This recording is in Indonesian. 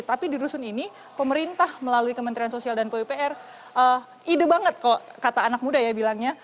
tapi di rusun ini pemerintah melalui kementerian sosial dan pupr ide banget kalau kata anak muda ya bilangnya